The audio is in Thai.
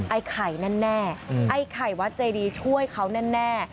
ไอ้ไข่นั่นแน่ไอ้ไข่วัดใจดีช่วยเขานั่นแน่